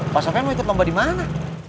pasar venom ikut lomba dimana